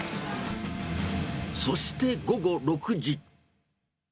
そして午後６時。